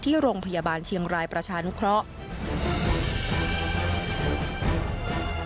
ที่โรงพยาบาลเชียงรายประชานุเคราะห์